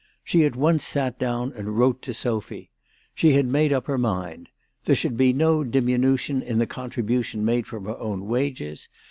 She at once sat down and wrote to Sophy. She had made up her mind. There should be no diminution in the contri bution made from her own wages.